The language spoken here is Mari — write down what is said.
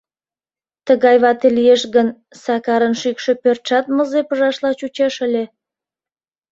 Тыгай вате лиеш гын, Сакарын шӱкшӧ пӧртшат мызе пыжашла чучеш ыле.